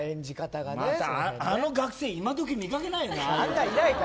あの学生いまどき見掛けないよね。